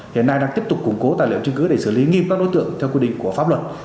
hiện nay đang tiếp tục củng cố tài liệu chứng cứ để xử lý nghiêm các đối tượng theo quy định của pháp luật